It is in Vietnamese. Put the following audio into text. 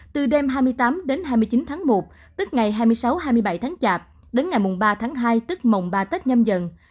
từ đêm hai mươi tám đến hai mươi chín tháng một tức ngày hai mươi sáu hai mươi bảy tháng chạp đến ngày mùng ba tháng hai tức mồng ba tết nhâm dần